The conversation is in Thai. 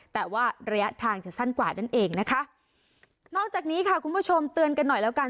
แต่ว่าระยะทางจะสั้นกว่านั่นเองนะคะนอกจากนี้ค่ะคุณผู้ชมเตือนกันหน่อยแล้วกัน